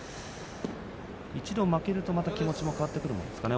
一度負けると気持ちもまた変わってくるものですかね。